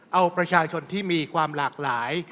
เอาประชาชนที่มีความหลากหลาย